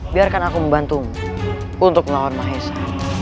biarkan aku membantumu untuk melawan mahesa